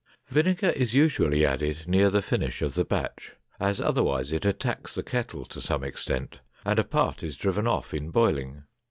Vinegar is usually added near the finish of the batch, as otherwise it attacks the kettle to some extent and a part is driven off in boiling.